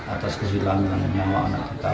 atas kejelangan nyawa anak kita